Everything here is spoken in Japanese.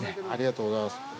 ありがとうございます。